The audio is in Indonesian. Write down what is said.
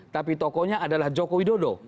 tapi tokohnya adalah joko widodo